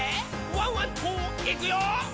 ワンワンといくよ」